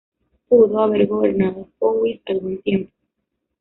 Pudo haber gobernado Powys algún tiempo.